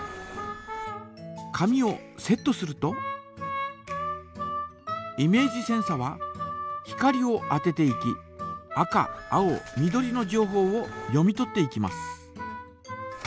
紙をセットするとイメージセンサは光を当てていき赤青緑のじょうほうを読み取っていきます。